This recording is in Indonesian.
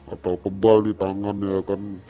atau pebal di tangannya kan